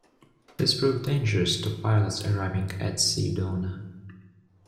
This proved dangerous to pilots arriving at Sedona.